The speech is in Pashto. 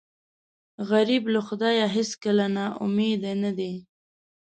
غریب له خدایه هېڅکله نا امیده نه دی